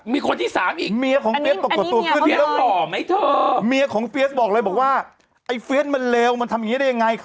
มีคนที่สามอีกเฟียสบอกเลยบอกว่าไอ้เฟียสมันเลวมันทำอย่างนี้ได้ยังไง